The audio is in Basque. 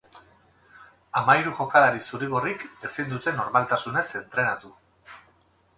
Hamahiru jokalari zuri-gorrik ezin dute normaltasunez entrenatu.